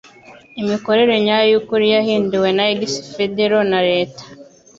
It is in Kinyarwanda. Imikorere nyayo yukuri yahinduwe na ex - federal na leta